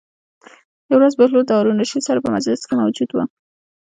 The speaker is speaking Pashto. یوه ورځ بهلول د هارون الرشید سره په مجلس کې موجود و.